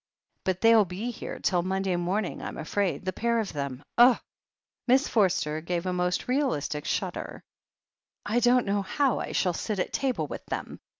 But they'll be here till Monday morning, I'm afraid — ^the pair of them. Ugh !" Miss Forster gave a most realistic shudder. "I don't know how I shall sit at table with them.